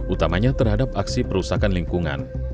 utamanya terhadap aksi perusahaan lingkungan